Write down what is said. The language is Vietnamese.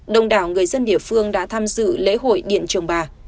đồng đảo người dân địa phương đã tham dự lễ hội điện trường bà